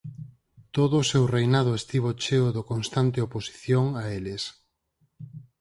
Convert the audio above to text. Todo o seu reinado estivo cheo do constante oposición a eles.